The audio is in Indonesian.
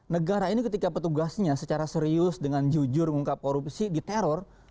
negara ini ketika petugasnya secara serius dengan jujur mengungkap korupsi diteror